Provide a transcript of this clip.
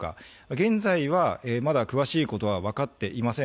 現在はまだ詳しいことは分かっていません。